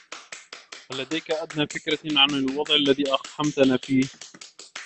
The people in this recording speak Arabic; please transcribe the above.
هل لديك أدنى فكرة عن الوضع الذي أقحمتنا فيه ؟